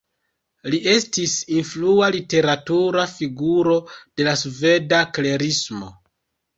Li estis influa literatura figuro de la sveda Klerismo.